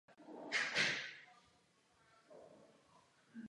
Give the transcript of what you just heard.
Baronko Ashtonová, sankce nestačí.